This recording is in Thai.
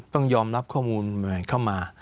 ต้องยอมรับข้อมูลใหม่เข้ามา